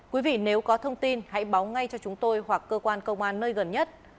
quý vị nếu có thông tin hãy báo ngay cho chúng tôi hoặc cơ quan công an nơi gần nhất